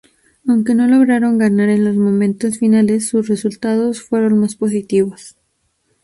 Aunque no lograron ganar en los momentos finales, sus resultados fueron más positivos.